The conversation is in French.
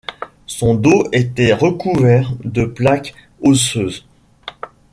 Son dos était recouvert de plaques osseuses.